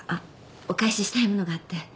お返ししたいものがあって。